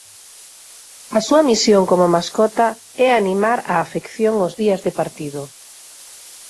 A súa misión como mascota é animar á afección os días de partido.